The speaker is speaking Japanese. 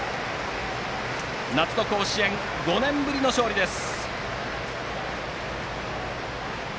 夏の甲子園、５年ぶりの勝利です。